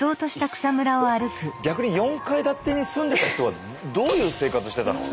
逆に四階建てに住んでた人はどういう生活してたの？